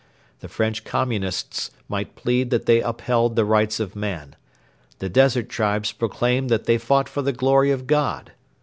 The French Communists might plead that they upheld the rights of man. The desert tribes proclaimed that they fought for the glory of God.